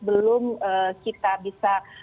belum kita bisa